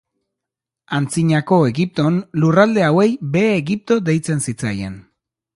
Antzinako Egipton, lurralde hauei Behe Egipto deitzen zitzaien.